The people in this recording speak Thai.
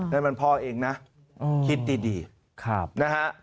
นั่นมันพ่อเองนะคิดดีนะฮะ